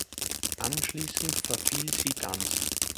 Anschließend verfiel sie ganz.